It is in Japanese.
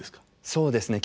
そうですね。